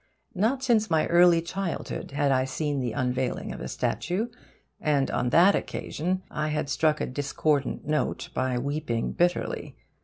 Not since my early childhood had I seen the unveiling of a statue; and on that occasion I had struck a discordant note by weeping bitterly.